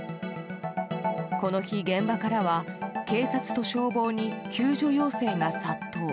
この日、現場からは警察と消防に救助要請が殺到。